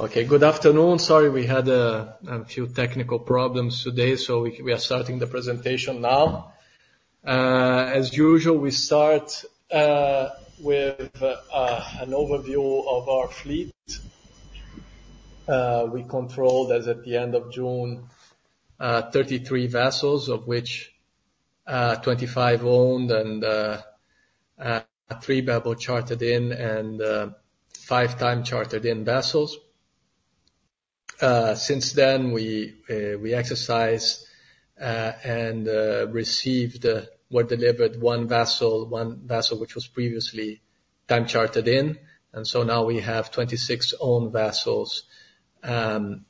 Okay, good afternoon. Sorry, we had a few technical problems today, so we are starting the presentation now. As usual, we start with an overview of our fleet. We controlled, as at the end of June, 33 vessels, of which 25 owned and 3 bareboat chartered-in and 5 time-chartered-in vessels. Since then, we exercised and received or delivered one vessel, one vessel which was previously time-chartered-in. And so now we have 26 owned vessels and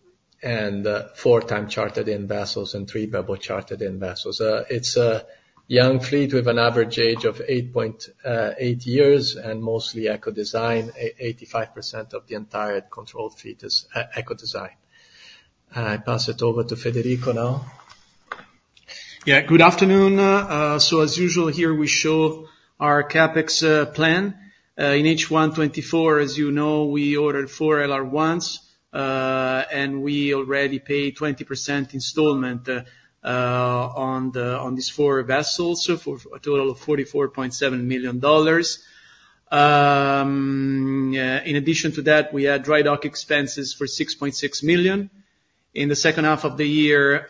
4 time-chartered-in vessels and 3 bareboat chartered-in vessels. It's a young fleet with an average age of 8.8 years and mostly eco-design. 85% of the entire controlled fleet is eco-designed. I pass it over to Federico now. Yeah, good afternoon. So as usual, here we show our CapEx plan. In H1 2024, as you know, we ordered four LR1s, and we already paid 20% installment on these four vessels for a total of $44.7 million. In addition to that, we had drydock expenses for $6.6 million. In the second half of the year,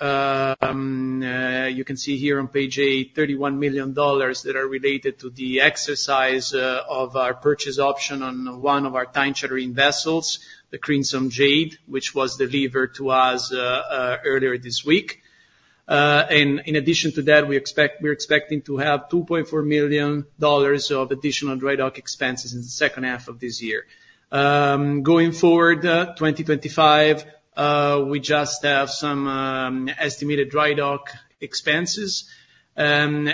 you can see here on page 8, $31 million that are related to the exercise of our purchase option on one of our time-chartered-in vessels, the Crimson Jade, which was delivered to us earlier this week. And in addition to that, we're expecting to have $2.4 million of additional drydock expenses in the second half of this year. Going forward, 2025, we just have some estimated drydock expenses. Going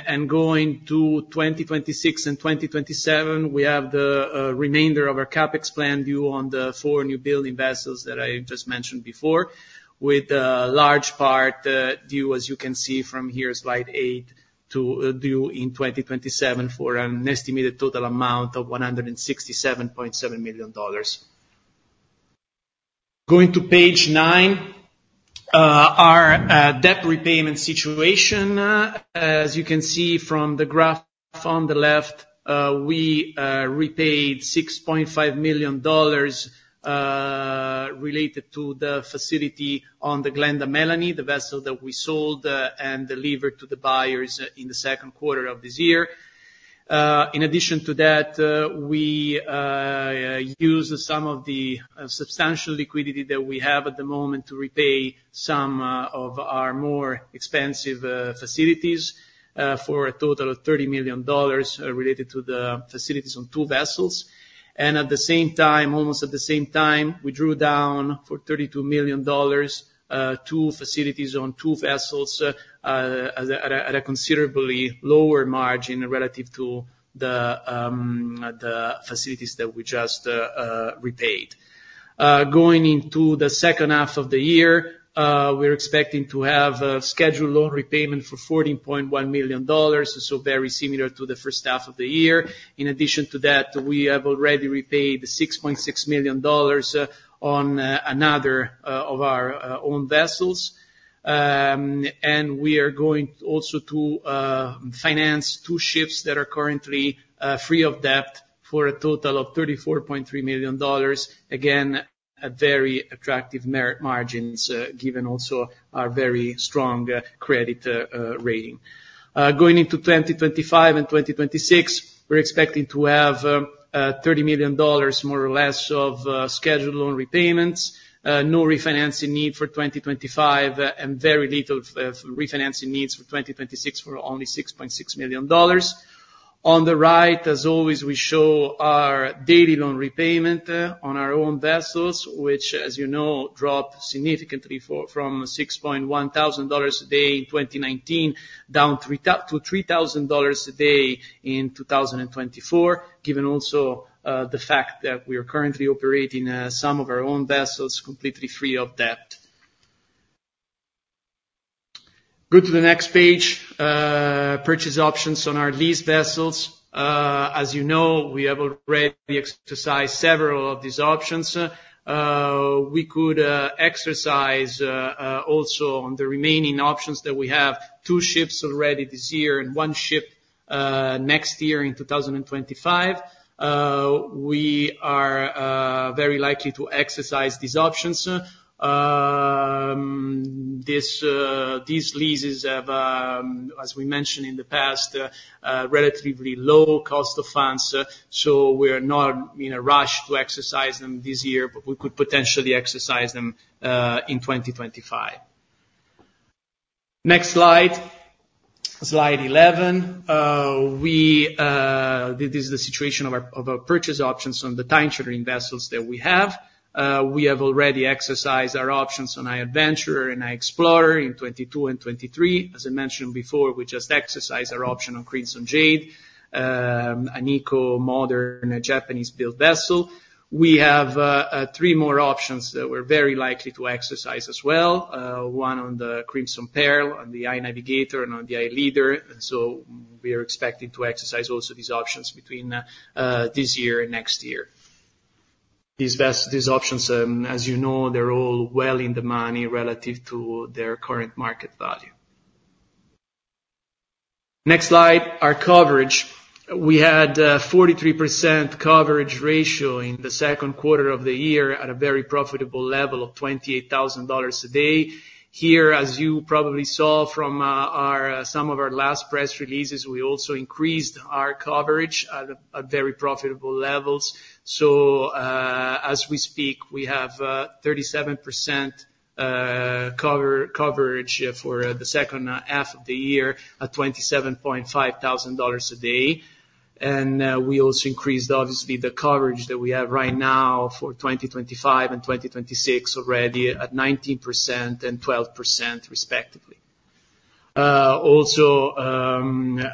to 2026 and 2027, we have the remainder of our CapEx plan due on the four new building vessels that I just mentioned before, with a large part due, as you can see from here, slide eight, to due in 2027 for an estimated total amount of $167.7 million. Going to page nine, our debt repayment situation. As you can see from the graph on the left, we repaid $6.5 million related to the facility on the Glenda Melanie, the vessel that we sold and delivered to the buyers in Q2 of this year. In addition to that, we used some of the substantial liquidity that we have at the moment to repay some of our more expensive facilities for a total of $30 million related to the facilities on two vessels. At the same time, almost at the same time, we drew down for $32 million two facilities on two vessels at a considerably lower margin relative to the facilities that we just repaid. Going into the second half of the year, we're expecting to have a scheduled loan repayment for $14.1 million, so very similar to the first half of the year. In addition to that, we have already repaid $6.6 million on another of our own vessels. And we are going also to finance two ships that are currently free of debt for a total of $34.3 million. Again, very attractive margins given also our very strong credit rating. Going into 2025 and 2026, we're expecting to have $30 million, more or less, of scheduled loan repayments. No refinancing need for 2025 and very little refinancing needs for 2026 for only $6.6 million. On the right, as always, we show our daily loan repayment on our own vessels, which, as you know, dropped significantly from $6,100 a day in 2019 down to $3,000 a day in 2024, given also the fact that we are currently operating some of our own vessels completely free of debt. Go to the next page, purchase options on our leased vessels. As you know, we have already exercised several of these options. We could exercise also on the remaining options that we have: two ships already this year and one ship next year in 2025. We are very likely to exercise these options. These leases have, as we mentioned in the past, relatively low cost of funds, so we're not in a rush to exercise them this year, but we could potentially exercise them in 2025. Next slide, slide 11. This is the situation of our purchase options on the time-charter vessels that we have. We have already exercised our options on High Adventurer and High Explorer in 2022 and 2023. As I mentioned before, we just exercised our option on Crimson Jade, an eco-modern Japanese-built vessel. We have three more options that we're very likely to exercise as well. One on the Crimson Pearl, on the High Navigator, and on the High Leader. So we are expecting to exercise also these options between this year and next year. These options, as you know, they're all well in the money relative to their current market value. Next slide, our coverage. We had a 43% coverage ratio in Q2 of the year at a very profitable level of $28,000 a day. Here, as you probably saw from some of our last press releases, we also increased our coverage at very profitable levels. So as we speak, we have 37% coverage for the second half of the year at $27,500 a day. And we also increased, obviously, the coverage that we have right now for 2025 and 2026 already at 19% and 12% respectively. Also,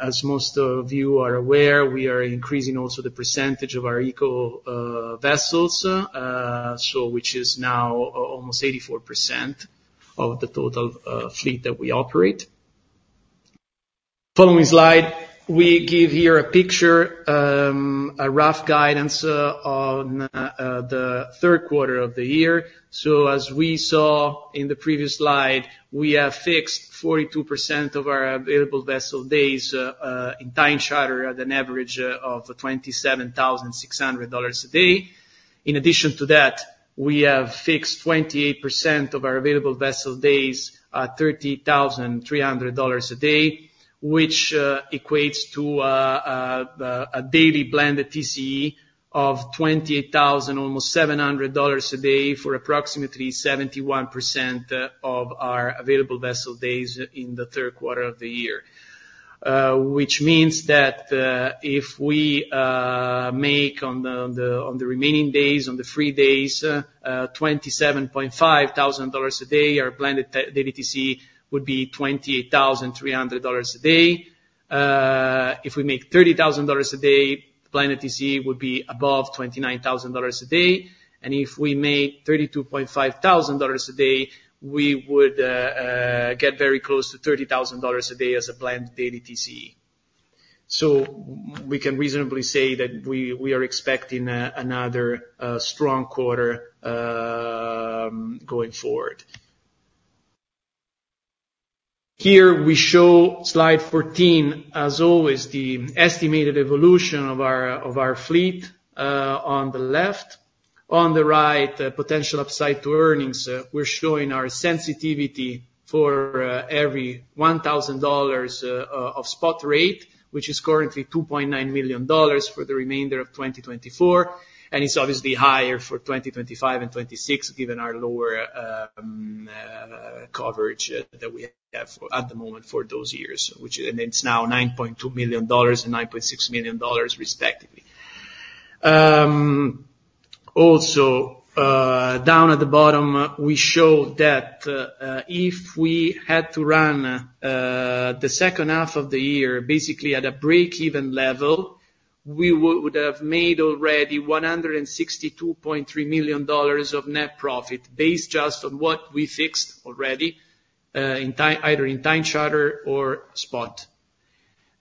as most of you are aware, we are increasing also the percentage of our Eco vessels, which is now almost 84% of the total fleet that we operate. Following slide, we give here a picture, a rough guidance on Q3 of the year. So as we saw in the previous slide, we have fixed 42% of our available vessel days in time-charter at an average of $27,600 a day. In addition to that, we have fixed 28% of our available vessel days at $30,300 a day, which equates to a daily blended TCE of $28,700 a day for approximately 71% of our available vessel days in Q3 of the year, which means that if we make on the remaining days, on the free days, $27,500 a day, our blended daily TCE would be $28,300 a day. If we make $30,000 a day, blended TCE would be above $29,000 a day. If we make $32,500 a day, we would get very close to $30,000 a day as a blended daily TCE. We can reasonably say that we are expecting another strong quarter going forward. Here we show slide 14, as always, the estimated evolution of our fleet on the left. On the right, potential upside to earnings, we're showing our sensitivity for every $1,000 of spot rate, which is currently $2.9 million for the remainder of 2024. It's obviously higher for 2025 and 2026, given our lower coverage that we have at the moment for those years, which is now $9.2 million and $9.6 million respectively. Also, down at the bottom, we show that if we had to run the second half of the year, basically at a break-even level, we would have made already $162.3 million of net profit based just on what we fixed already either in time-charter or spot.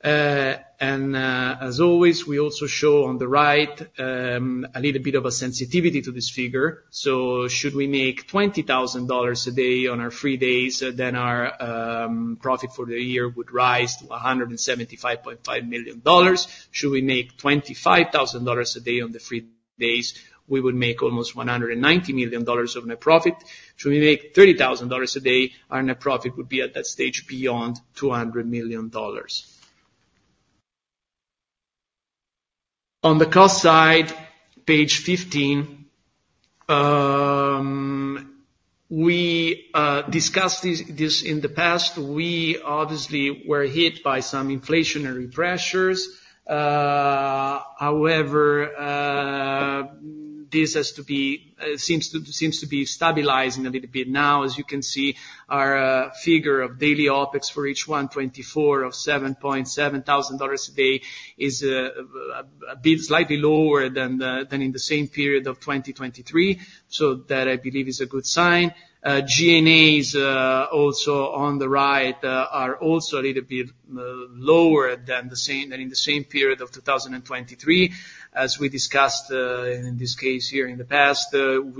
As always, we also show on the right a little bit of a sensitivity to this figure. Should we make $20,000 a day on our free days, then our profit for the year would rise to $175.5 million. Should we make $25,000 a day on the free days, we would make almost $190 million of net profit. Should we make $30,000 a day, our net profit would be at that stage beyond $200 million. On the cost side, page 15, we discussed this in the past. We obviously were hit by some inflationary pressures. However, this seems to be stabilizing a little bit now. As you can see, our figure of daily OPEX for H1 2024 of $7,700 a day is a bit slightly lower than in the same period of 2023. So that, I believe, is a good sign. G&As also on the right are also a little bit lower than in the same period of 2023. As we discussed in this case here in the past, the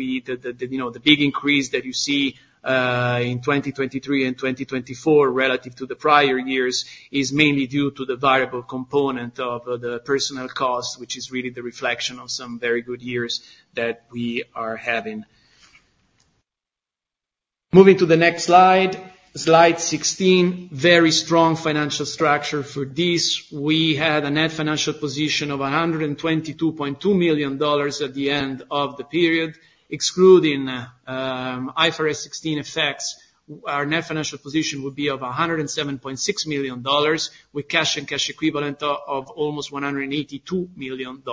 big increase that you see in 2023 and 2024 relative to the prior years is mainly due to the variable component of the personal cost, which is really the reflection of some very good years that we are having. Moving to the next slide, slide 16, very strong financial structure for this. We had a net financial position of $122.2 million at the end of the period. Excluding IFRS 16 effects, our net financial position would be of $107.6 million, with cash and cash equivalent of almost $182 million.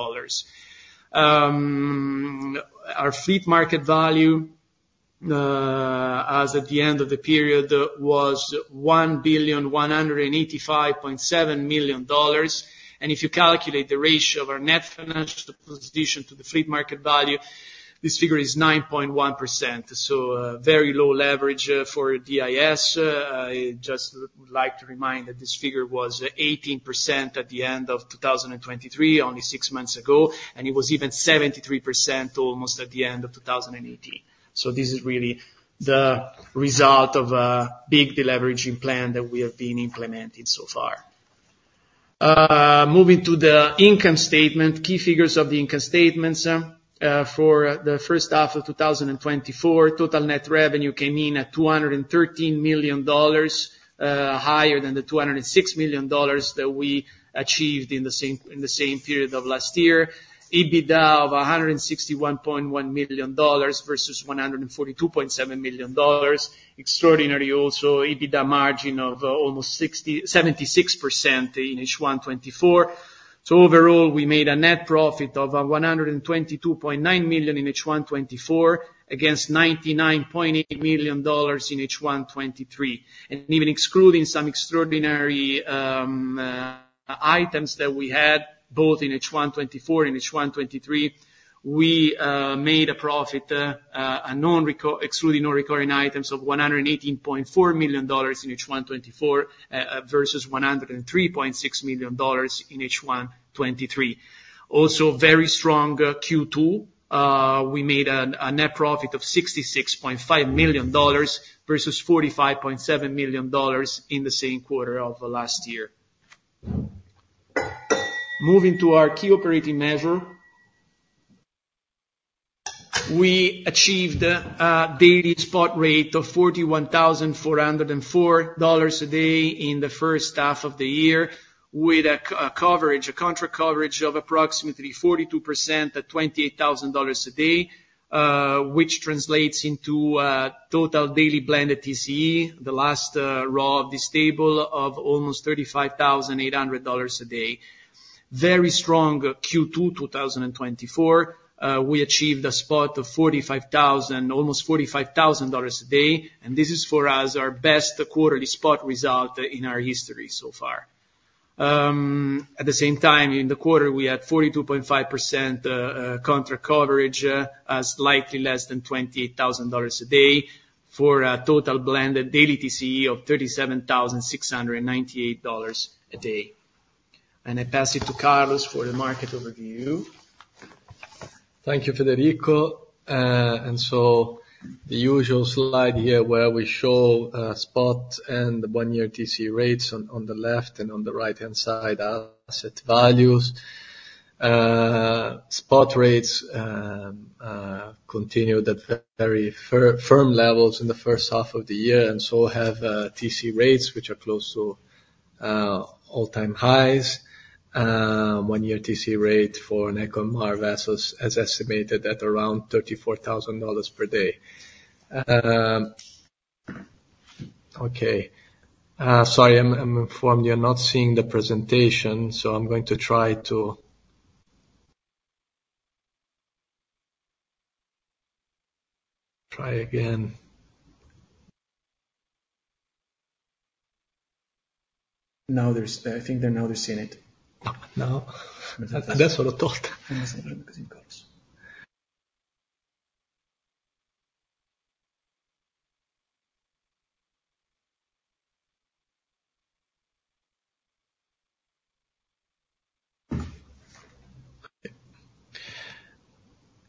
Our fleet market value, as at the end of the period, was $1,185.7 million. If you calculate the ratio of our net financial position to the fleet market value, this figure is 9.1%. Very low leverage for DIS. I just would like to remind that this figure was 18% at the end of 2023, only six months ago, and it was even 73% almost at the end of 2018. So this is really the result of a big deleveraging plan that we have been implementing so far. Moving to the income statement, key figures of the income statements. For the first half of 2024, total net revenue came in at $213 million, higher than the $206 million that we achieved in the same period of last year. EBITDA of $161.1 million versus $142.7 million. Extraordinary also, EBITDA margin of almost 76% in H1 2024. So overall, we made a net profit of $122.9 million in H1 2024 against $99.8 million in H1 2023. Even excluding some extraordinary items that we had, both in H1 2024 and H1 2023, we made a profit, excluding non-recurring items of $118.4 million in H1 2024 versus $103.6 million in H1 2023. Also, very strong Q2. We made a net profit of $66.5 million versus $45.7 million in the same quarter of last year. Moving to our key operating measure, we achieved a daily spot rate of $41,404 a day in the first half of the year with a contract coverage of approximately 42% at $28,000 a day, which translates into total daily blended TCE, the last row of this table, of almost $35,800 a day. Very strong Q2 2024. We achieved a spot of almost $45,000 a day. And this is, for us, our best quarterly spot result in our history so far. At the same time, in the quarter, we had 42.5% contract coverage at slightly less than $28,000 a day for a total blended daily TCE of $37,698 a day. I pass it to Carlos for the market overview. Thank you, Federico. So the usual slide here where we show spot and one-year TCE rates on the left and on the right-hand side asset values. Spot rates continued at very firm levels in the first half of the year and so have TCE rates, which are close to all-time highs. One-year TCE rate for an Eco MR as estimated at around $34,000 per day. Okay. Sorry, I'm informed you're not seeing the presentation, so I'm going to try again. Now there's, I think, now they're seeing it. Now? That's what I thought.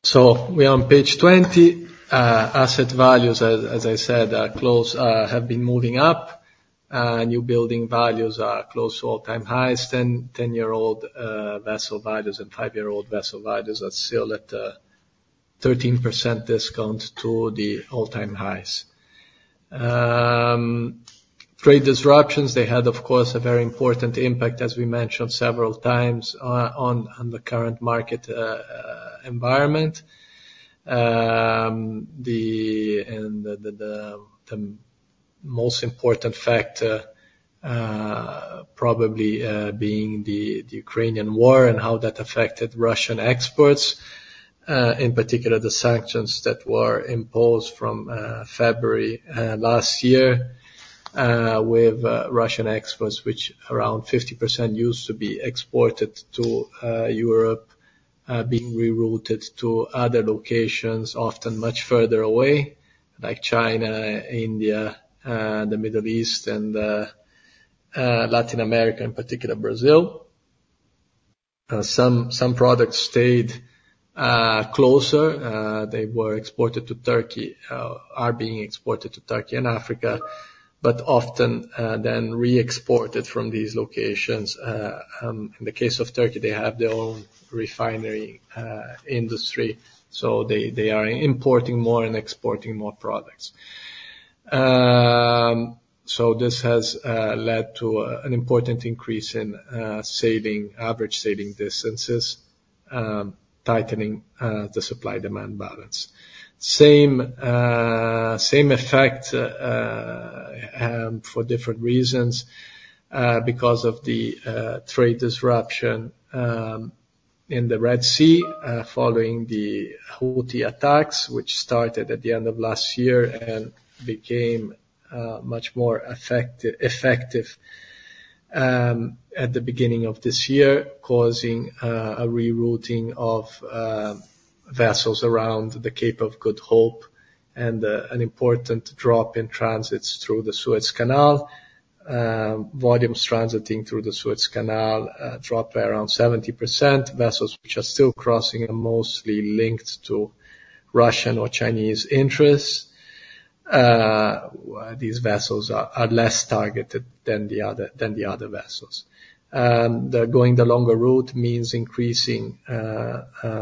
So we are on page 20. Asset values, as I said, have been moving up. Newbuilding values are close to all-time highs. 10-year-old vessel values and 5-year-old vessel values are still at 13% discount to the all-time highs. Trade disruptions, they had, of course, a very important impact, as we mentioned several times, on the current market environment. The most important factor probably being the Ukrainian war and how that affected Russian exports, in particular the sanctions that were imposed from February last year with Russian exports, which around 50% used to be exported to Europe, being rerouted to other locations, often much further away, like China, India, the Middle East, and Latin America, in particular Brazil. Some products stayed closer. They were exported to Turkey, are being exported to Turkey and Africa, but often then re-exported from these locations. In the case of Turkey, they have their own refinery industry, so they are importing more and exporting more products. So this has led to an important increase in average sailing distances, tightening the supply-demand balance. Same effect for different reasons because of the trade disruption in the Red Sea following the Houthi attacks, which started at the end of last year and became much more effective at the beginning of this year, causing a rerouting of vessels around the Cape of Good Hope and an important drop in transits through the Suez Canal. Volumes transiting through the Suez Canal dropped by around 70%. Vessels which are still crossing are mostly linked to Russian or Chinese interests. These vessels are less targeted than the other vessels. Going the longer route means increasing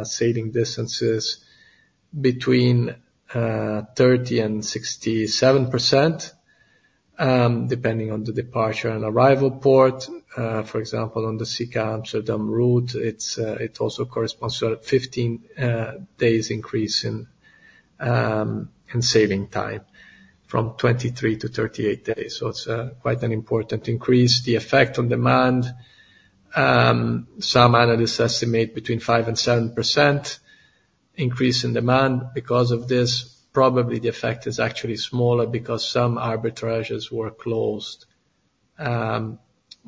sailing distances between 30% and 67%, depending on the departure and arrival port. For example, on the Sikka Amsterdam route, it also corresponds to a 15-day increase in sailing time from 23 to 38 days. So it's quite an important increase. The effect on demand, some analysts estimate between 5% and 7% increase in demand because of this. Probably the effect is actually smaller because some arbitrages were closed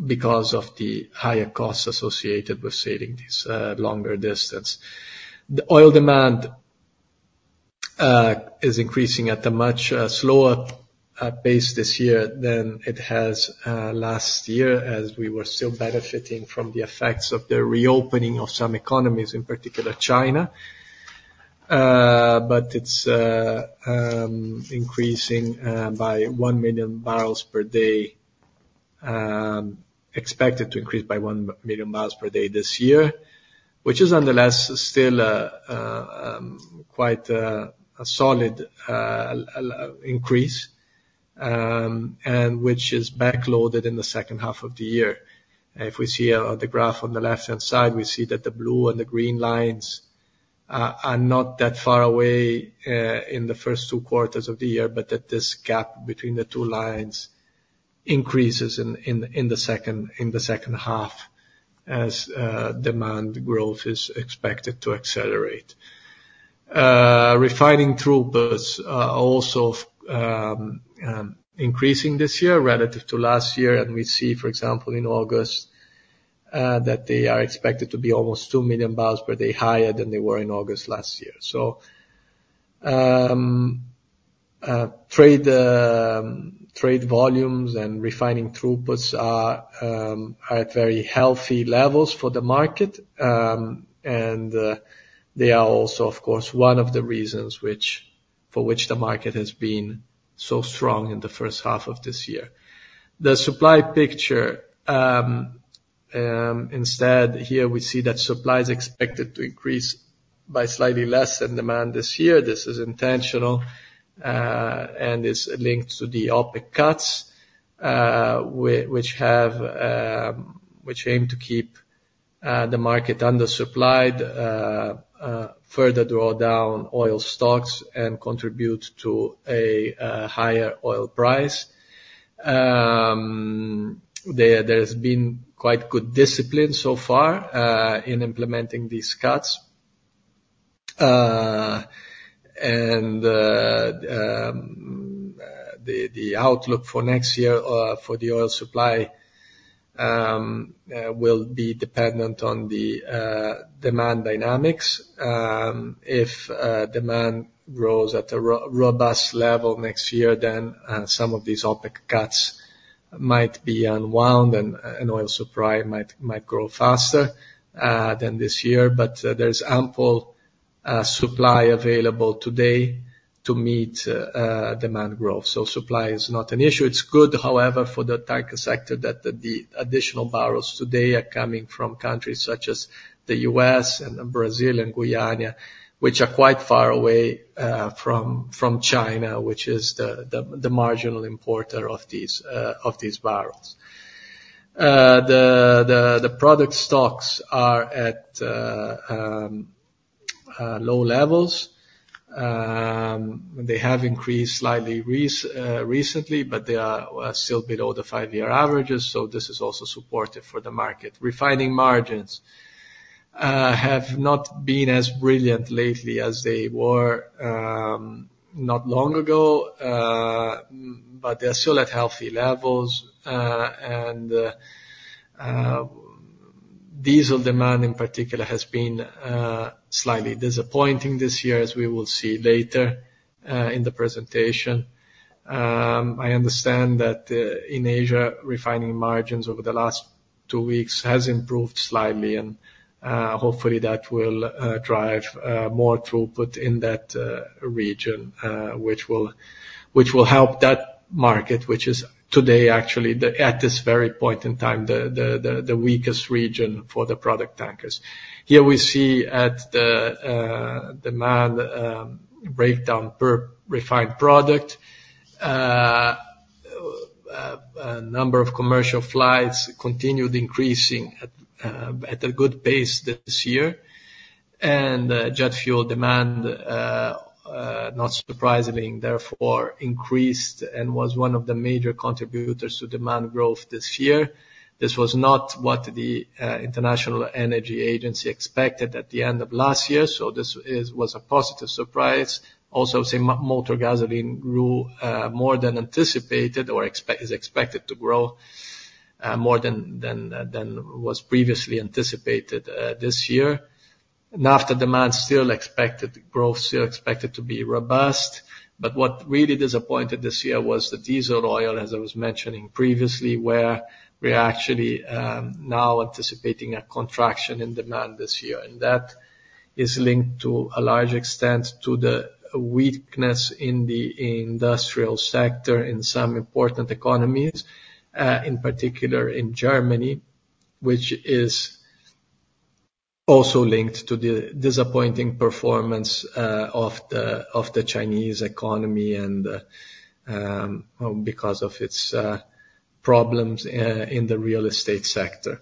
because of the higher costs associated with saving this longer distance. The oil demand is increasing at a much slower pace this year than it has last year, as we were still benefiting from the effects of the reopening of some economies, in particular China. But it's increasing by 1 million barrels per day, expected to increase by 1 million barrels per day this year, which is nonetheless still quite a solid increase, and which is backloaded in the second half of the year. If we see the graph on the left-hand side, we see that the blue and the green lines are not that far away in the first two quarters of the year, but that this gap between the two lines increases in the second half as demand growth is expected to accelerate. Refining throughputs are also increasing this year relative to last year, and we see, for example, in August that they are expected to be almost 2 million barrels per day higher than they were in August last year. So trade volumes and refining throughputs are at very healthy levels for the market, and they are also, of course, one of the reasons for which the market has been so strong in the first half of this year. The supply picture, instead, here we see that supply is expected to increase by slightly less than demand this year. This is intentional and is linked to the OPEC cuts, which aim to keep the market undersupplied, further draw down oil stocks, and contribute to a higher oil price. There has been quite good discipline so far in implementing these cuts. The outlook for next year for the oil supply will be dependent on the demand dynamics. If demand grows at a robust level next year, then some of these OPEC cuts might be unwound, and oil supply might grow faster than this year. But there's ample supply available today to meet demand growth. So supply is not an issue. It's good, however, for the tanker sector that the additional barrels today are coming from countries such as the US and Brazil and Guyana, which are quite far away from China, which is the marginal importer of these barrels. The product stocks are at low levels. They have increased slightly recently, but they are still below the 5-year averages, so this is also supportive for the market. Refining margins have not been as brilliant lately as they were not long ago, but they're still at healthy levels. Diesel demand, in particular, has been slightly disappointing this year, as we will see later in the presentation. I understand that in Asia, refining margins over the last 2 weeks have improved slightly, and hopefully that will drive more throughput in that region, which will help that market, which is today, actually, at this very point in time, the weakest region for the product tankers. Here we see the demand breakdown per refined product. A number of commercial flights continued increasing at a good pace this year. Jet fuel demand, not surprisingly, therefore increased and was one of the major contributors to demand growth this year. This was not what the International Energy Agency expected at the end of last year, so this was a positive surprise. Also, motor gasoline grew more than anticipated or is expected to grow more than was previously anticipated this year. Naphtha demand still expected growth, still expected to be robust. But what really disappointed this year was the diesel oil, as I was mentioning previously, where we're actually now anticipating a contraction in demand this year. And that is linked to a large extent to the weakness in the industrial sector in some important economies, in particular in Germany, which is also linked to the disappointing performance of the Chinese economy because of its problems in the real estate sector.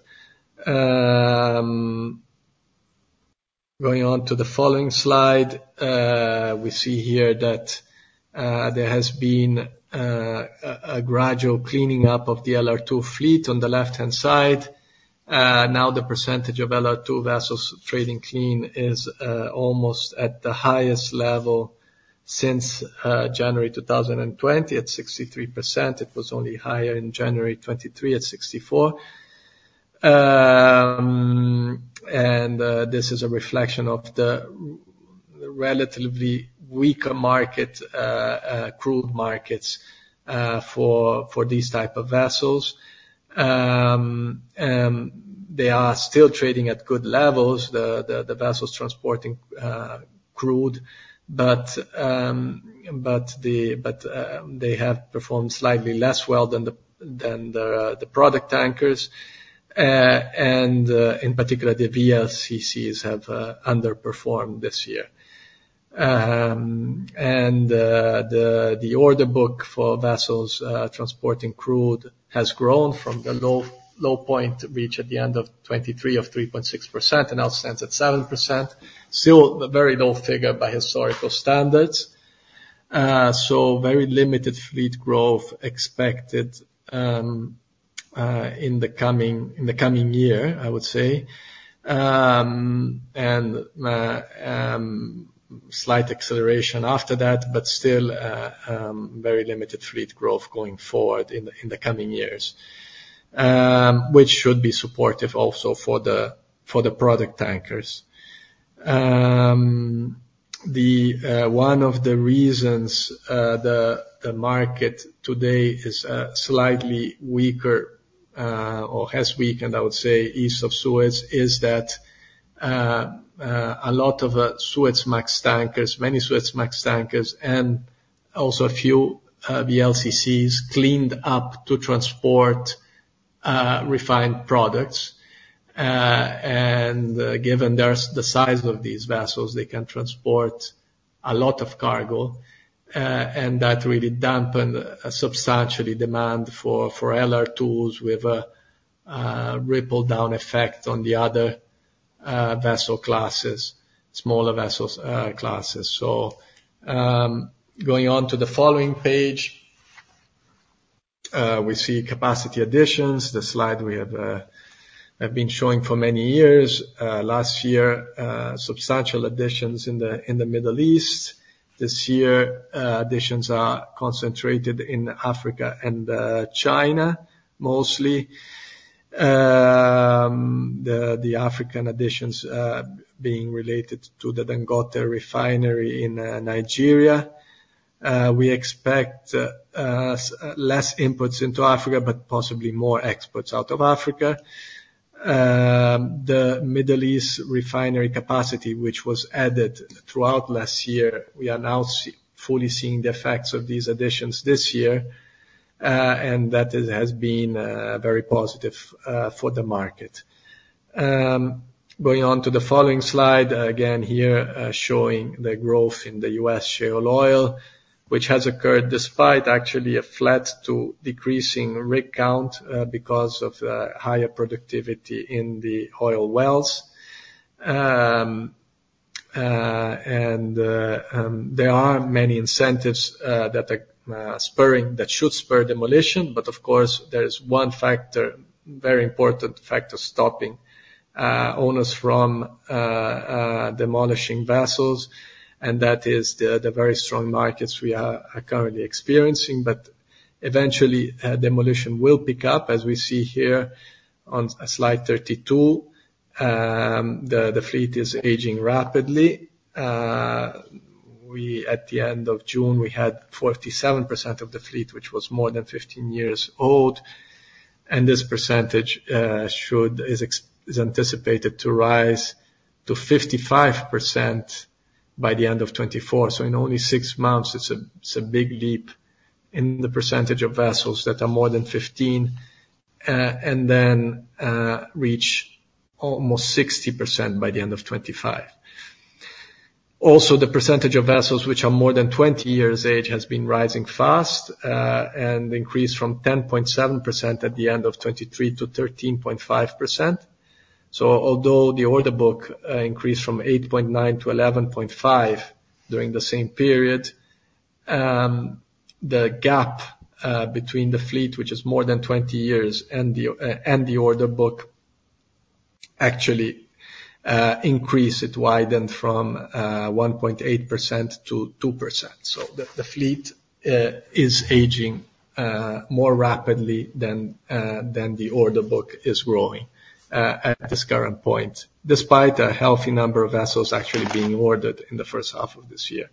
Going on to the following slide, we see here that there has been a gradual cleaning up of the LR2 fleet on the left-hand side. Now the percentage of LR2 vessels trading clean is almost at the highest level since January 2020 at 63%. It was only higher in January 2023 at 64%. This is a reflection of the relatively weaker market, crude markets for these types of vessels. They are still trading at good levels, the vessels transporting crude, but they have performed slightly less well than the product tankers. In particular, the VLCCs have underperformed this year. The order book for vessels transporting crude has grown from a low point reached at the end of 2023 of 3.6% and now stands at 7%. Still a very low figure by historical standards. Very limited fleet growth expected in the coming year, I would say. Slight acceleration after that, but still very limited fleet growth going forward in the coming years, which should be supportive also for the product tankers. One of the reasons the market today is slightly weaker or has weakened, I would say, east of Suez, is that a lot of Suezmax tankers, many Suezmax tankers, and also a few VLCCs cleaned up to transport refined products. Given the size of these vessels, they can transport a lot of cargo, and that really dampened substantially demand for LR2s with a ripple-down effect on the other vessel classes, smaller vessel classes. Going on to the following page, we see capacity additions. The slide we have been showing for many years. Last year, substantial additions in the Middle East. This year, additions are concentrated in Africa and China, mostly. The African additions being related to the Dangote refinery in Nigeria. We expect less inputs into Africa, but possibly more exports out of Africa. The Middle East refinery capacity, which was added throughout last year, we are now fully seeing the effects of these additions this year, and that has been very positive for the market. Going on to the following slide, again here showing the growth in the US shale oil, which has occurred despite actually a flat to decreasing rig count because of higher productivity in the oil wells. There are many incentives that should spur demolition, but of course, there is one factor, very important factor, stopping owners from demolishing vessels, and that is the very strong markets we are currently experiencing. Eventually, demolition will pick up, as we see here on slide 32. The fleet is aging rapidly. At the end of June, we had 47% of the fleet, which was more than 15 years old. This percentage is anticipated to rise to 55% by the end of 2024. In only six months, it's a big leap in the percentage of vessels that are more than 15 and then reach almost 60% by the end of 2025. Also, the percentage of vessels which are more than 20 years' age has been rising fast and increased from 10.7% at the end of 2023 to 13.5%. Although the order book increased from 8.9% to 11.5% during the same period, the gap between the fleet, which is more than 20 years, and the order book actually increased, it widened from 1.8% to 2%. The fleet is aging more rapidly than the order book is growing at this current point, despite a healthy number of vessels actually being ordered in the first half of this year.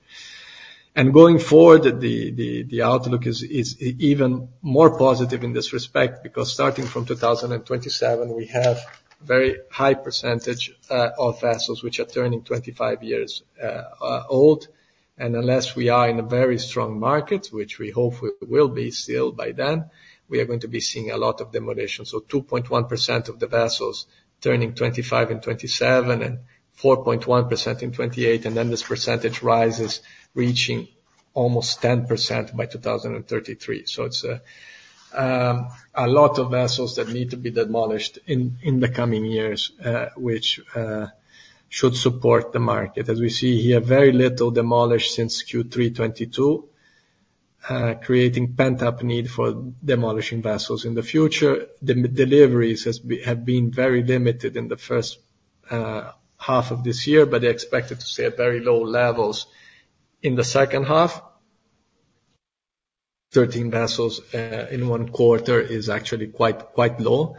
Going forward, the outlook is even more positive in this respect because starting from 2027, we have a very high percentage of vessels which are turning 25 years old. And unless we are in a very strong market, which we hope we will be still by then, we are going to be seeing a lot of demolition. So 2.1% of the vessels turning 25 and 27 and 4.1% in 2028, and then this percentage rises reaching almost 10% by 2033. So it's a lot of vessels that need to be demolished in the coming years, which should support the market. As we see here, very little demolished since Q3 2022, creating pent-up need for demolishing vessels in the future. The deliveries have been very limited in the first half of this year, but they're expected to stay at very low levels in the second half. 13 vessels in one quarter is actually quite low.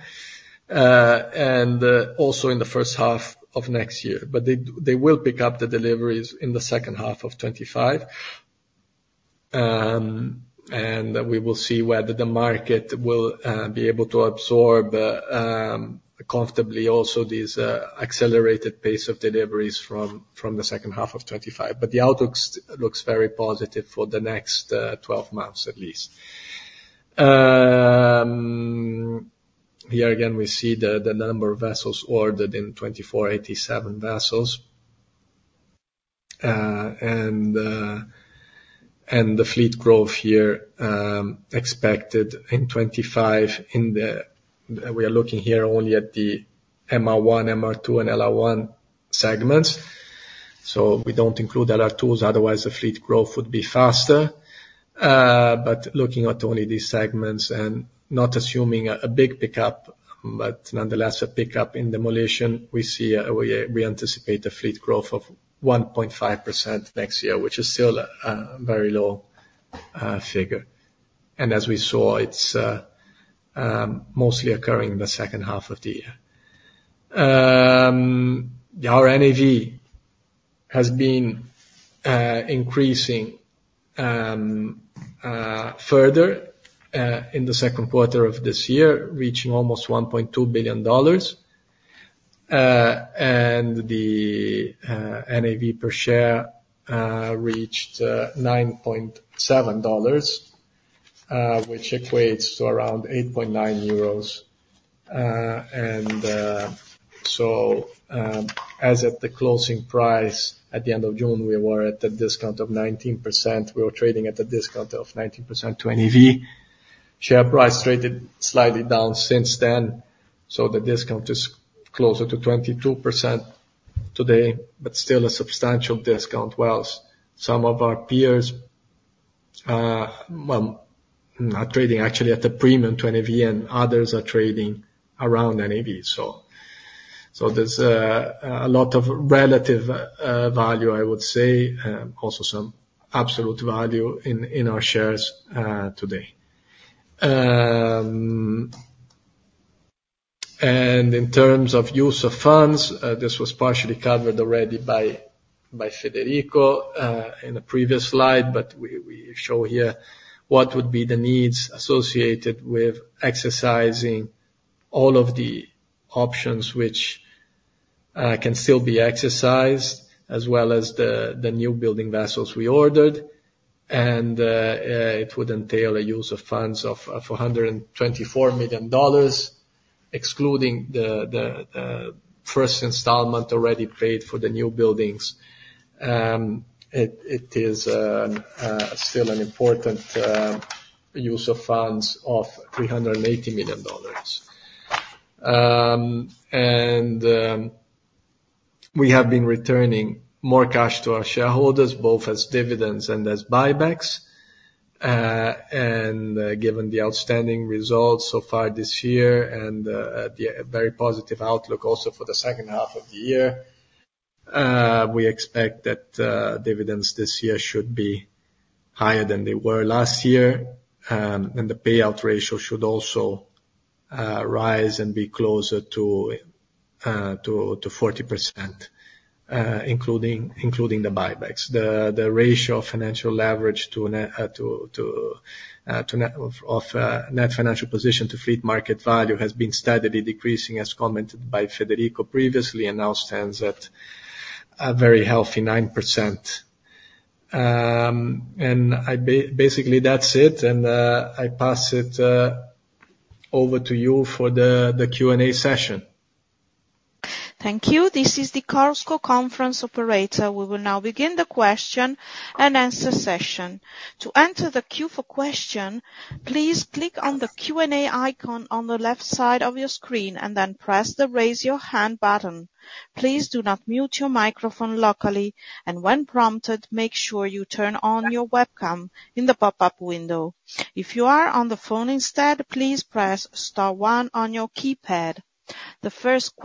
And also in the first half of next year. But they will pick up the deliveries in the second half of 2025. And we will see whether the market will be able to absorb comfortably also this accelerated pace of deliveries from the second half of 2025. But the outlook looks very positive for the next 12 months, at least. Here again, we see the number of vessels ordered in 2,487 vessels. And the fleet growth here expected in 2025, we are looking here only at the MR1, MR2, and LR1 segments. So we don't include LR2s, otherwise the fleet growth would be faster. But looking at only these segments and not assuming a big pickup, but nonetheless a pickup in demolition, we see we anticipate a fleet growth of 1.5% next year, which is still a very low figure. As we saw, it's mostly occurring in the second half of the year. Our NAV has been increasing further in Q2 of this year, reaching almost $1.2 billion. The NAV per share reached $9.7, which equates to around €8.9. So as at the closing price at the end of June, we were at a discount of 19%. We were trading at a discount of 19% to NAV. Share price traded slightly down since then. The discount is closer to 22% today, but still a substantial discount while some of our peers are trading actually at a premium to NAV, and others are trading around NAV. There's a lot of relative value, I would say, and also some absolute value in our shares today. In terms of use of funds, this was partially covered already by Federico in a previous slide, but we show here what would be the needs associated with exercising all of the options, which can still be exercised, as well as the new building vessels we ordered. It would entail a use of funds of $124 million, excluding the first installment already paid for the new buildings. It is still an important use of funds of $380 million. We have been returning more cash to our shareholders, both as dividends and as buybacks. Given the outstanding results so far this year and the very positive outlook also for the second half of the year, we expect that dividends this year should be higher than they were last year. The payout ratio should also rise and be closer to 40%, including the buybacks. The ratio of financial leverage to net financial position to fleet market value has been steadily decreasing, as commented by Federico previously, and now stands at a very healthy 9%. Basically, that's it. I pass it over to you for the Q&A session. Thank you. This is the Clarksons Conference Operator. We will now begin the question and answer session. To enter the queue for questions, please click on the Q&A icon on the left side of your screen and then press the raise your hand button. Please do not mute your microphone locally. When prompted, make sure you turn on your webcam in the pop-up window. If you are on the phone instead, please press star one on your keypad. The first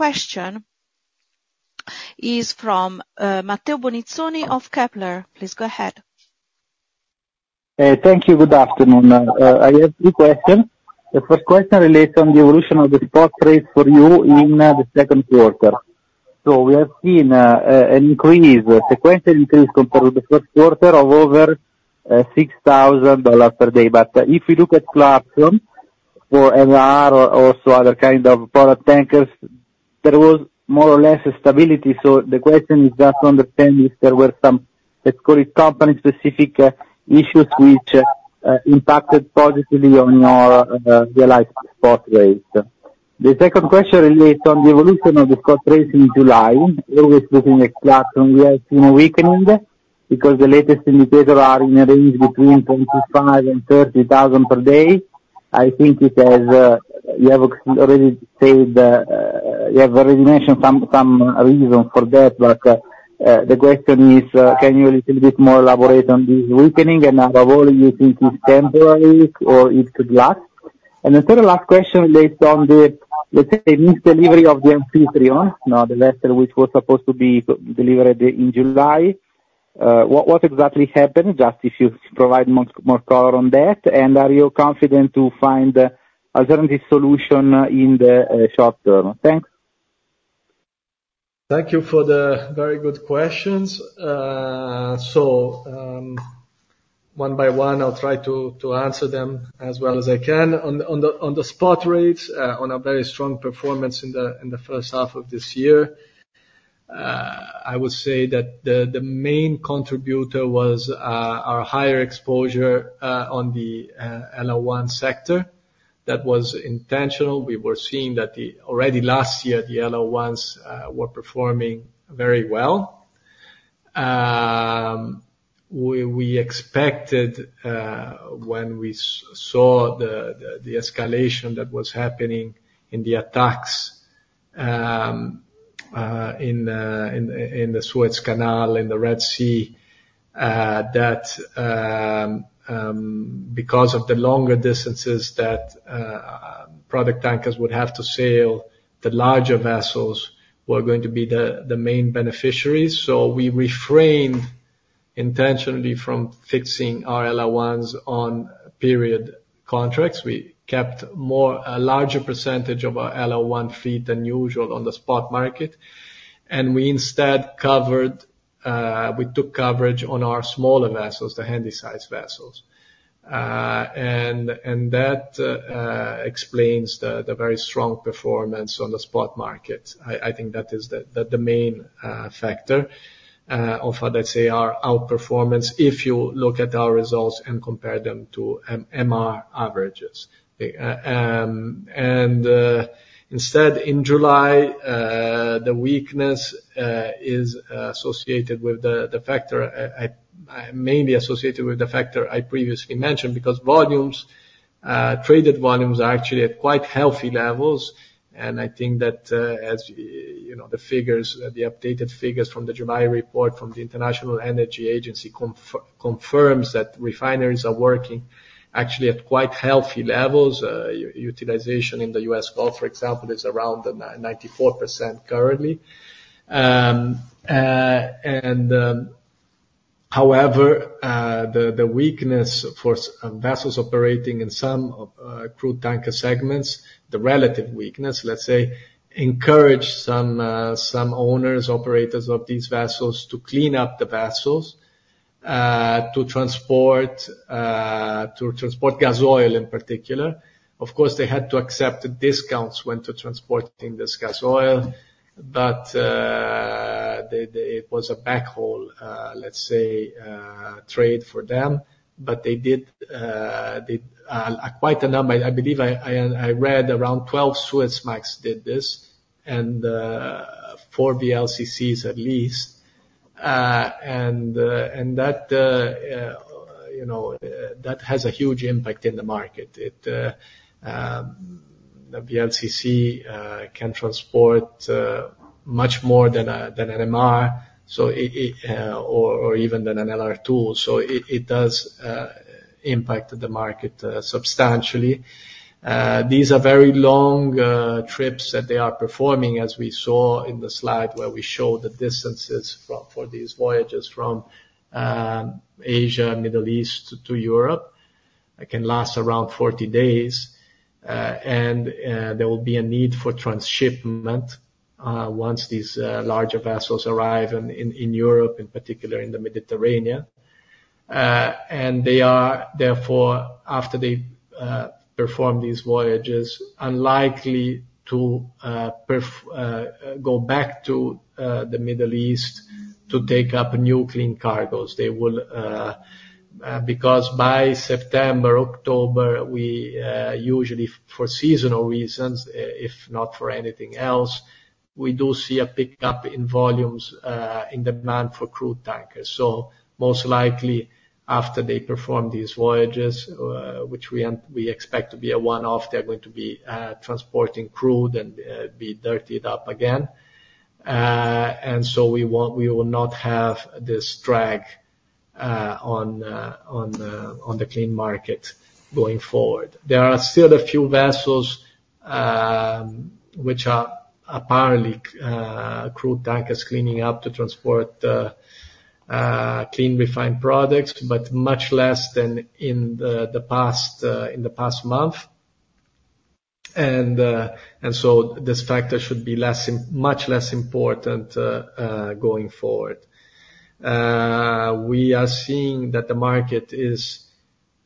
question is from Matteo Bonizzoni of Kepler. Please go ahead. Thank you. Good afternoon. I have three questions. The first question relates on the evolution of the spot rates for you in Q2. So we have seen an increase, a sequential increase compared to Q1 of over $6,000 per day. But if you look at Clarksons for MR or other kinds of product tankers, there was more or less stability. So the question is just to understand if there were some, let's call it, company-specific issues which impacted positively on your spot rate. The second question relates on the evolution of the spot rates in July. Earlier speaking at Clarksons, we have seen a weakening because the latest indicators are in the range between $25,000 and $30,000 per day. I think you have already mentioned some reason for that, but the question is, can you a little bit more elaborate on this weakening? Are all of you think it's temporary or it could last? The third last question relates on the, let's say, missed delivery of the Amfitrion, the vessel which was supposed to be delivered in July. What exactly happened? Just if you provide more color on that. And are you confident to find an alternative solution in the short term? Thanks. Thank you for the very good questions. One by one, I'll try to answer them as well as I can. On the spot rates, on a very strong performance in the first half of this year, I would say that the main contributor was our higher exposure on the LR1 sector. That was intentional. We were seeing that already last year, the LR1s were performing very well. We expected when we saw the escalation that was happening in the attacks in the Suez Canal, in the Red Sea, that because of the longer distances that product tankers would have to sail, the larger vessels were going to be the main beneficiaries. So we refrained intentionally from fixing our LR1s on period contracts. We kept a larger percentage of our LR1 fleet than usual on the spot market. And we took coverage on our smaller vessels, the handy-sized vessels. And that explains the very strong performance on the spot market. I think that is the main factor of, as I say, our outperformance if you look at our results and compare them to MR averages. And instead, in July, the weakness is associated with the factor, mainly associated with the factor I previously mentioned because volumes, traded volumes are actually at quite healthy levels. I think that as the figures, the updated figures from the July report from the International Energy Agency confirms that refineries are working actually at quite healthy levels. Utilization in the US Gulf, for example, is around 94% currently. However, the weakness for vessels operating in some crude tanker segments, the relative weakness, let's say, encouraged some owners, operators of these vessels to clean up the vessels to transport gas oil in particular. Of course, they had to accept discounts when transporting this gas oil, but it was a backhaul, let's say, trade for them. They did quite a number. I believe I read around 12 Suezmax did this and 4 VLCCs at least. And that has a huge impact in the market. The VLCC can transport much more than an MR or even than an LR2. So it does impact the market substantially. These are very long trips that they are performing, as we saw in the slide where we showed the distances for these voyages from Asia, Middle East to Europe. It can last around 40 days. There will be a need for transshipment once these larger vessels arrive in Europe, in particular in the Mediterranean. They are, therefore, after they perform these voyages, unlikely to go back to the Middle East to take up new clean cargoes. Because by September, October, we usually, for seasonal reasons, if not for anything else, we do see a pickup in volumes in the demand for crude tankers. Most likely, after they perform these voyages, which we expect to be a one-off, they're going to be transporting crude and be dirtied up again. So we will not have this drag on the clean market going forward. There are still a few vessels which are apparently crude tankers cleaning up to transport clean refined products, but much less than in the past month. So this factor should be much less important going forward. We are seeing that the market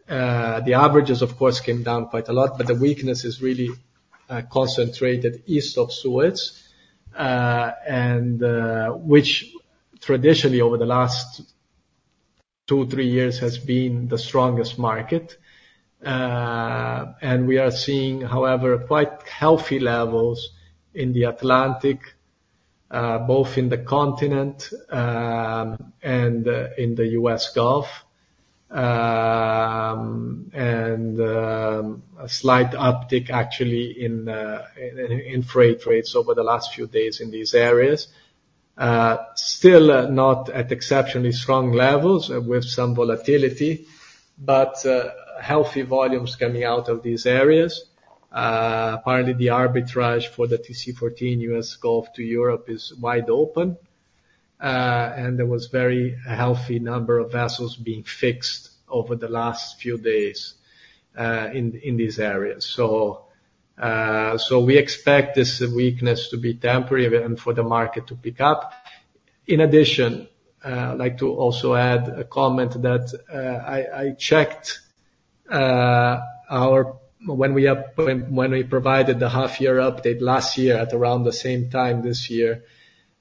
averages, of course, came down quite a lot, but the weakness is really concentrated east of Suez, which traditionally, over the last two, three years, has been the strongest market. We are seeing, however, quite healthy levels in the Atlantic, both in the continent and in the US Gulf, and a slight uptick actually in freight rates over the last few days in these areas. Still not at exceptionally strong levels with some volatility, but healthy volumes coming out of these areas. Apparently, the arbitrage for the TC14 US Gulf to Europe is wide open. There was a very healthy number of vessels being fixed over the last few days in these areas. We expect this weakness to be temporary and for the market to pick up. In addition, I'd like to also add a comment that I checked when we provided the half-year update last year at around the same time this year,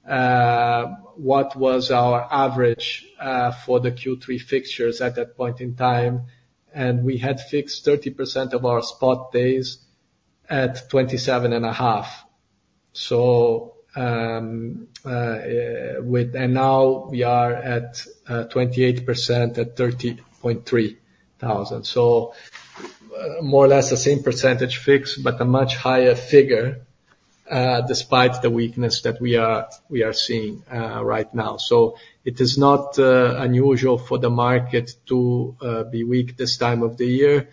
what was our average for the Q3 fixtures at that point in time. We had fixed 30% of our spot days at $27.5 thousand. Now we are at 28% at $30.3 thousand. More or less the same percentage fixed, but a much higher figure despite the weakness that we are seeing right now. It is not unusual for the market to be weak this time of the year.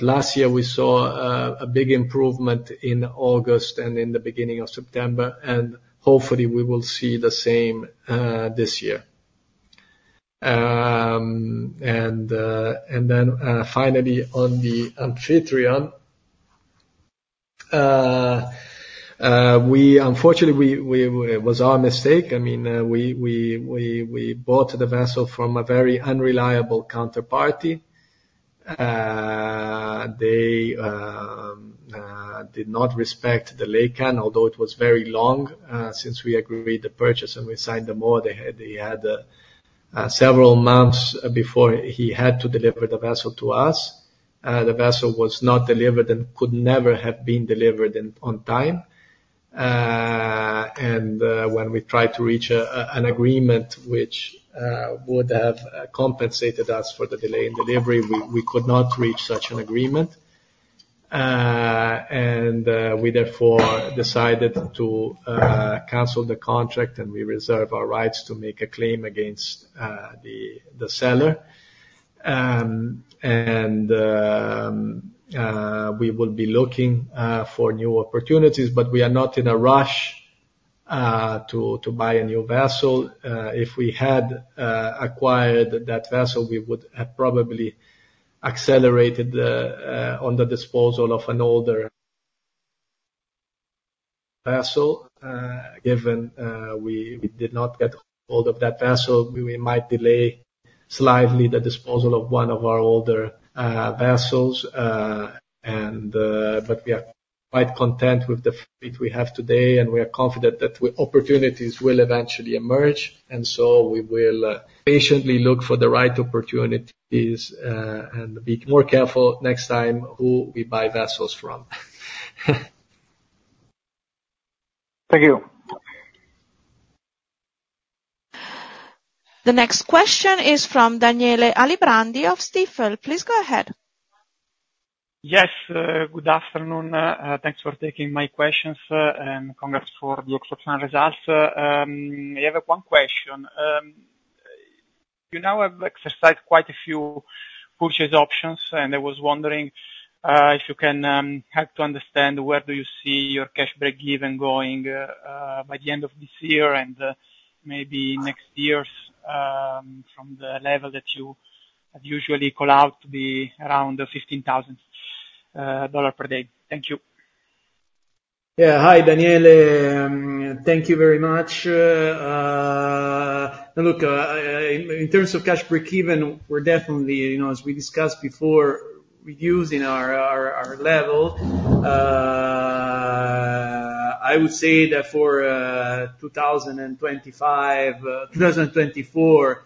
Last year, we saw a big improvement in August and in the beginning of September. And hopefully, we will see the same this year. Then finally, on the Amfitrion, unfortunately, it was our mistake. I mean, we bought the vessel from a very unreliable counterparty. They did not respect the laycan, although it was very long since we agreed the purchase and we signed the MOA. They had several months before they had to deliver the vessel to us. The vessel was not delivered and could never have been delivered on time. And when we tried to reach an agreement which would have compensated us for the delay in delivery, we could not reach such an agreement. And we, therefore, decided to cancel the contract and we reserve our rights to make a claim against the seller. And we will be looking for new opportunities, but we are not in a rush to buy a new vessel. If we had acquired that vessel, we would have probably accelerated on the disposal of an older vessel. Given we did not get hold of that vessel, we might delay slightly the disposal of one of our older vessels. But we are quite content with the fleet we have today, and we are confident that opportunities will eventually emerge. And so we will patiently look for the right opportunities and be more careful next time who we buy vessels from. Thank you. The next question is from Daniele Alibrandi of Stifel. Please go ahead. Yes. Good afternoon. Thanks for taking my questions and congrats for the exceptional results. I have one question. You now have exercised quite a few purchase options, and I was wondering if you can help to understand where do you see your cash break-even going by the end of this year and maybe next year's from the level that you usually call out to be around $15,000 per day. Thank you. Yeah. Hi, Daniele. Thank you very much. Look, in terms of cash break-even, we're definitely, as we discussed before, reducing our level. I would say that for 2024,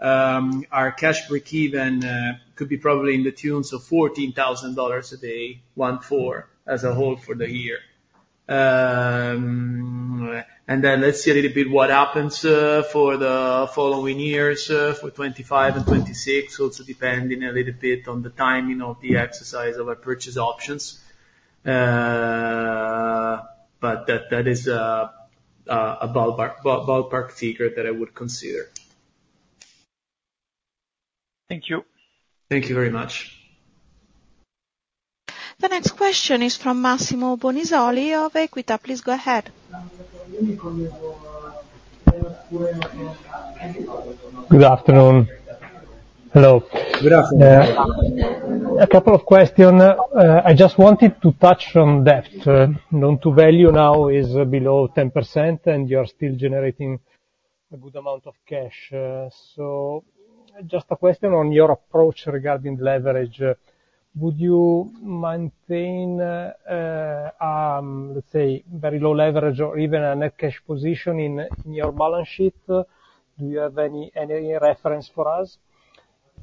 our cash break-even could be probably in the tune of $14,000 a day, one-four as a whole for the year. And then let's see a little bit what happens for the following years, for 2025 and 2026, also depending a little bit on the timing of the exercise of our purchase options. But that is a ballpark figure that I would consider. Thank you. Thank you very much. The next question is from Massimo Bonisoli of Equita. Please go ahead. Good afternoon. Hello. Good afternoon. A couple of questions. I just wanted to touch on that. Loan-to-value now is below 10%, and you are still generating a good amount of cash. So just a question on your approach regarding leverage. Would you maintain, let's say, very low leverage or even a net cash position in your balance sheet? Do you have any reference for us?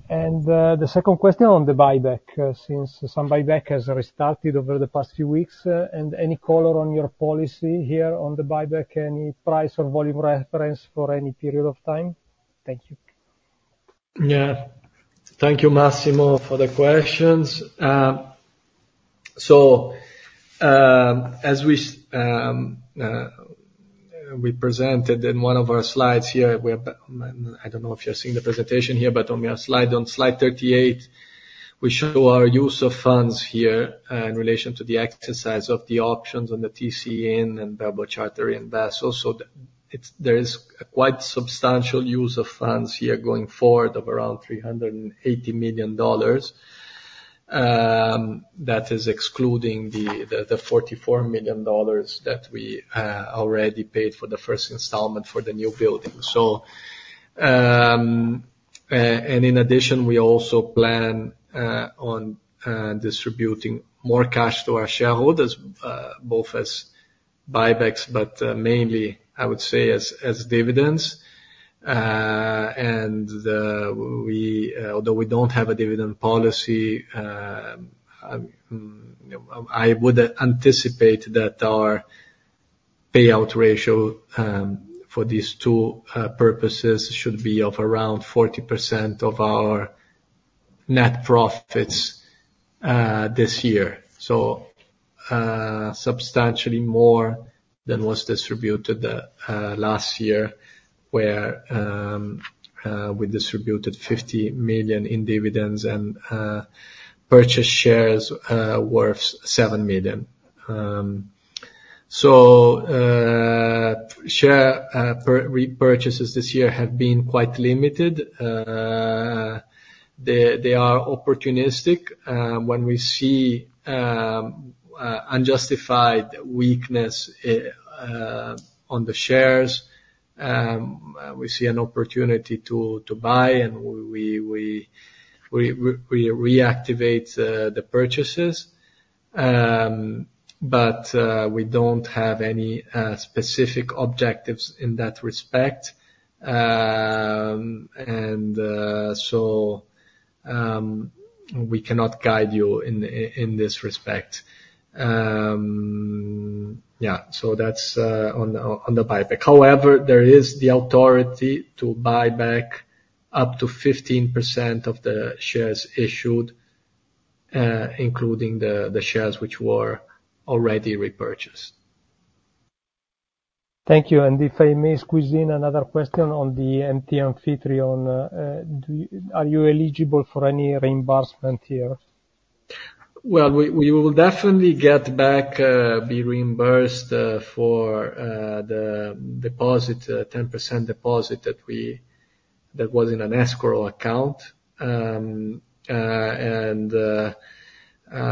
And the second question on the buyback, since some buyback has restarted over the past few weeks, and any color on your policy here on the buyback, any price or volume reference for any period of time? Thank you. Yeah. Thank you, Massimo, for the questions. So as we presented in one of our slides here, I don't know if you're seeing the presentation here, but on our slide, on slide 38, we show our use of funds here in relation to the exercise of the options on the T/C and bareboat charter vessels. So there is quite substantial use of funds here going forward of around $380 million. That is excluding the $44 million that we already paid for the first installment for the new building. And in addition, we also plan on distributing more cash to our shareholders, both as buybacks, but mainly, I would say, as dividends. And although we don't have a dividend policy, I would anticipate that our payout ratio for these two purposes should be of around 40% of our net profits this year. So substantially more than was distributed last year, where we distributed $50 million in dividends and purchase shares worth $7 million. So share repurchases this year have been quite limited. They are opportunistic. When we see unjustified weakness on the shares, we see an opportunity to buy, and we reactivate the purchases. But we don't have any specific objectives in that respect. And so we cannot guide you in this respect. Yeah. So that's on the buyback. However, there is the authority to buy back up to 15% of the shares issued, including the shares which were already repurchased. Thank you. And if I may squeeze in another question on the MT Amfitrion, are you eligible for any reimbursement here? Well, we will definitely get back, be reimbursed for the deposit, 10% deposit that was in an escrow account.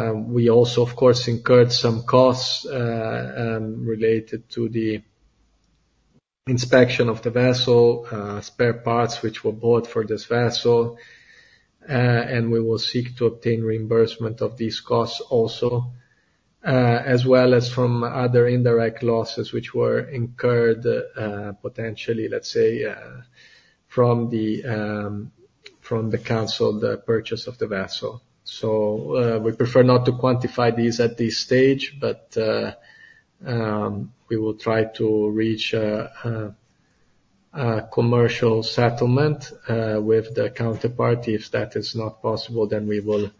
We also, of course, incurred some costs related to the inspection of the vessel, spare parts which were bought for this vessel. We will seek to obtain reimbursement of these costs also, as well as from other indirect losses which were incurred potentially, let's say, from the canceled purchase of the vessel. We prefer not to quantify these at this stage, but we will try to reach a commercial settlement with the counterparty. If that is not possible, then we will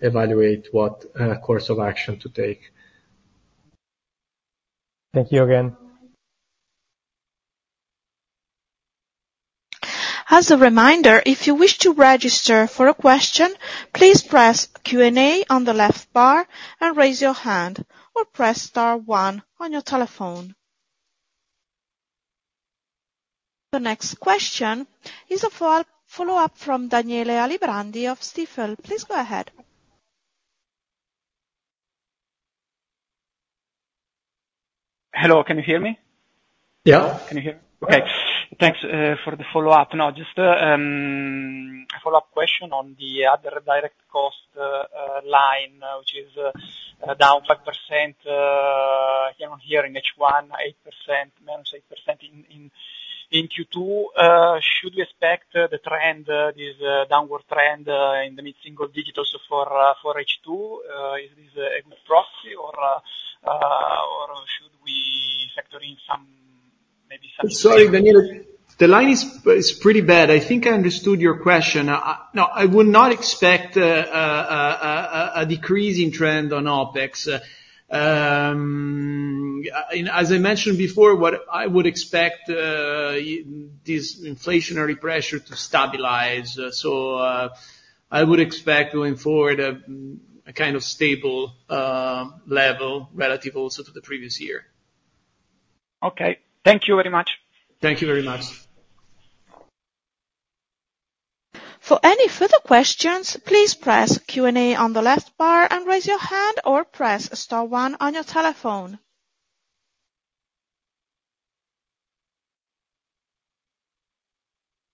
evaluate what course of action to take. Thank you again. As a reminder, if you wish to register for a question, please press Q&A on the left bar and raise your hand or press star one on your telephone. The next question is a follow-up from Daniele Alibrandi of Stifel. Please go ahead. Hello. Can you hear me? Yeah. Can you hear me? Okay. Thanks for the follow-up. Now, just a follow-up question on the other direct cost line, which is down 5%. In H1 -8%, -8% in Q2. Should we expect the trend, this downward trend in the mid-single digits for H2? Is this a good proxy, or should we factor in maybe? Sorry, Daniele. The line is pretty bad. I think I understood your question. No, I would not expect a decreasing trend on OPEX. As I mentioned before, what I would expect is this inflationary pressure to stabilize. So I would expect going forward a kind of stable level relative also to the previous year. Okay. Thank you very much. Thank you very much. For any further questions, please press Q&A on the left bar and raise your hand or press star one on your telephone.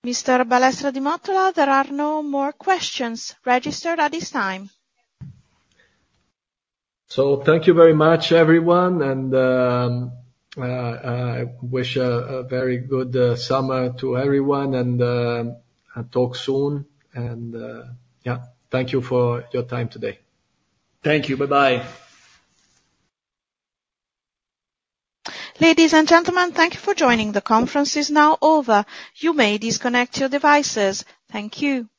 Mr. Balestra di Mottola, there are no more questions registered at this time. So thank you very much, everyone. And I wish a very good summer to everyone and talk soon. And yeah, thank you for your time today. Thank you. Bye-bye. Ladies and gentlemen, thank you for joining. The conference is now over. You may disconnect your devices. Thank you.